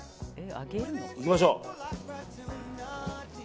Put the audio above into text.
いきましょう。